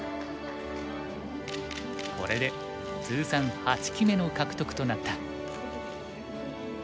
これで通算８期目の獲得となった。